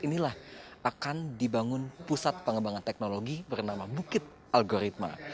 inilah akan dibangun pusat pengembangan teknologi bernama bukit algoritma